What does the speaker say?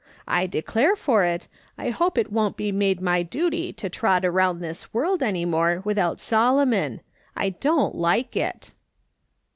I declare for it, I hope it won't be made my duty to trot around this world any more without Solomon ; I don't like it